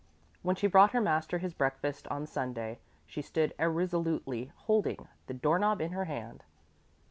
When she brought her master his breakfast on Sunday, she stood irresolutely holding the doorknob in her hand.